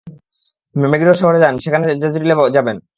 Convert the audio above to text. ম্যাগিডোর শহরে যান, সেখানে জ্যাযরিলে যাবেন।